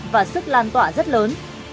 và sức lan tỏa rất lớn